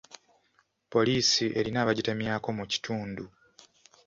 Poliisi erina abagitemyako mu kitundu.